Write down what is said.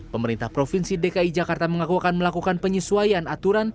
pemerintah provinsi dki jakarta mengaku akan melakukan penyesuaian aturan